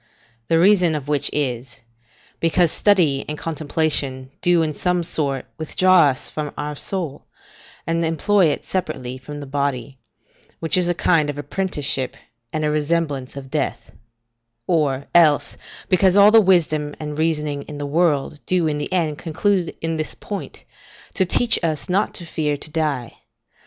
The reason of which is, because study and contemplation do in some sort withdraw from us our soul, and employ it separately from the body, which is a kind of apprenticeship and a resemblance of death; or, else, because all the wisdom and reasoning in the world do in the end conclude in this point, to teach us not to fear to die.